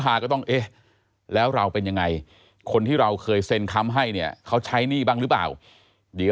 ยาท่าน้ำขาวไทยนครเพราะทุกการเดินทางของคุณจะมีแต่รอยยิ้ม